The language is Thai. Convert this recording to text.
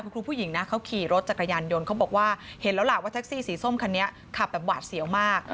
คุณครูผู้หญิงนะเขาขี่รถจักรยานยนต์เขาบอกว่าเห็นแล้วล่ะว่าแท็กซี่สีส้มคันนี้ขับแบบหวาดเสียวมาก